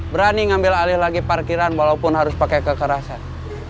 berani ngambil alih lagi parkiran walaupun harus pakai kekerasan